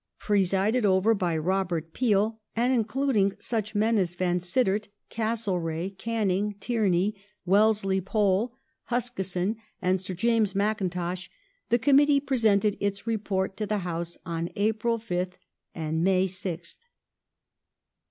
Presided over by Robert Peel, and including such men as Vansittart, Castlereagh, Canning, Tierney, Wellesley Pole, Huskisson, and Sir James Mackintosh, the Committee presented its report to the House on April 5th and May 6th.